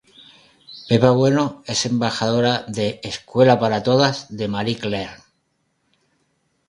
Pepa Bueno es embajadora de Escuela para Todas de Marie Claire.